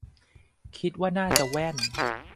คิดว่าน่าจะแว่น